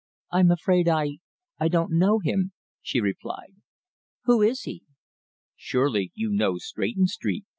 "I'm afraid I I don't know him," she replied. "Who is he?" "Surely you know Stretton Street?"